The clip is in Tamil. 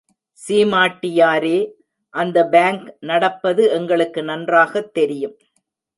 சீமாட்டியாரே, அந்த பாங்க் நடப்பது எங்களுக்கு நன்றாகத் தெரியும்.